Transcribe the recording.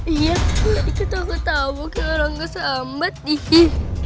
iya tadi ketawa ketawakan orangnya sama tihi